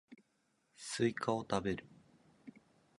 スイカを食べる